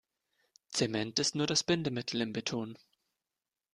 Zement ist nur das Bindemittel im Beton.